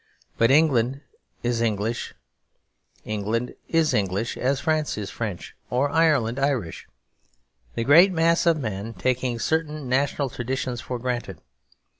But England is English; esto perpetua. England is English as France is French or Ireland Irish; the great mass of men taking certain national traditions for granted.